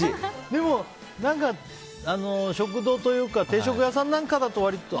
でも、食堂というか定食屋さんなんかだと割と。